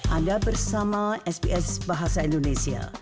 anda bersama sps bahasa indonesia